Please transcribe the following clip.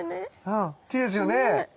うんきれいですよね。